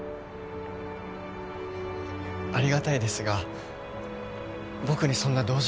ありがたいですが僕にそんな同情は。